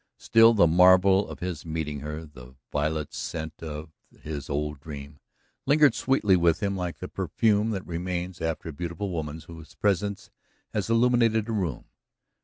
Still the marvel of his meeting her, the violet scent of his old dream, lingered sweetly with him like the perfume that remains after a beautiful woman whose presence has illuminated a room.